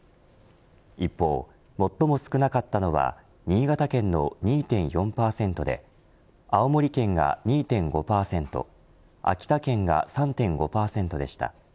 一方、最も少なかったのは新潟県の２．４％で青森県が２．５％秋田県が３．５％でした。